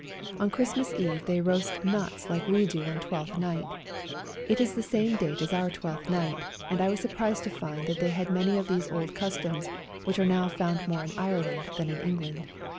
On Christmas Eve they roast nuts like we do on Twelfth Night. It is the same date as our Twelfth Night, and I was surprised to find that they had many of these old customs which are now found more in Ireland than in England.